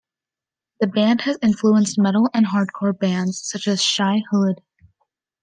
The band has influenced metal and hardcore bands, such as Shai Hulud.